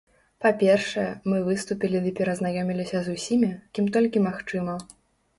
Па-першае, мы выступілі ды перазнаёміліся з усімі, кім толькі магчыма.